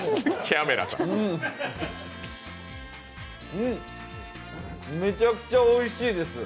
うん、めちゃくちゃおいしいです。